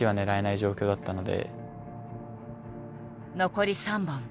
残り３本。